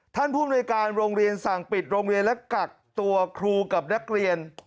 ภูมิในการโรงเรียนสั่งปิดโรงเรียนและกักตัวครูกับนักเรียน